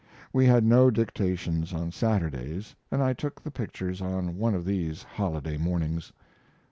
We had no dictations on Saturdays, and I took the pictures on one of these holiday mornings.